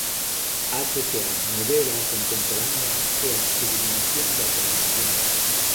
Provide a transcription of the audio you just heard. Acho que a novela contemporánea é a sublimación da tradición.